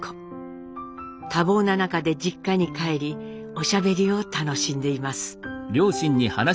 多忙な中で実家に帰りおしゃべりを楽しんでいます。